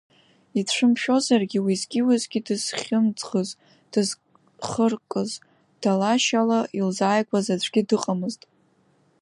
Ицәымшәозаргьы уеизгьы-уеизгьы дыз-хьымӡӷыз, дызхыркыз, дала-шьала илзааигәаз аӡәгьы дыҟамызт.